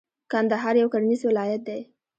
کندهار یو کرنیز ولایت دی.